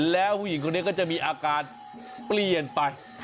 แล้วผู้หญิงคนนี้ก็จะมีอาการเปลี่ยนไป